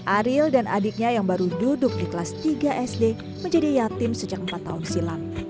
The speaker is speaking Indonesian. ariel dan adiknya yang baru duduk di kelas tiga sd menjadi yatim sejak empat tahun silam